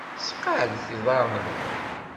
Sqeɛdet iḍarren-nwen.